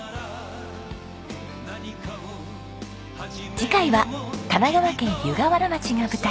次回は神奈川県湯河原町が舞台。